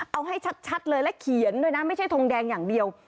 เอาให้ชัดเลยและเขียนด้วยนะไม่ใช่ทงแดงอย่างเดียว